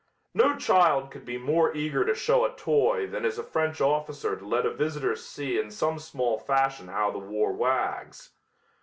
No child could be more eager to show a toy than is a French officer to let a visitor see in some small fashion how the war wags.